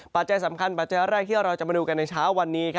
ปัจจัยสำคัญปัจจัยแรกที่เราจะมาดูกันในเช้าวันนี้